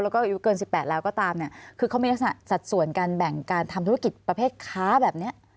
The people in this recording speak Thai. แล้วก็อายุเกิน๑๘แล้วก็ตามเนี่ยคือเขามีลักษณะสัดส่วนการแบ่งการทำธุรกิจประเภทค้าแบบนี้